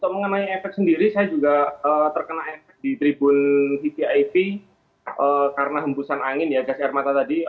mengenai efek sendiri saya juga terkena efek di tribun vvip karena hembusan angin ya gas air mata tadi